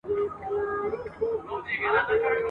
مگر هېر به وایه څنگه ستا احسان کړم ..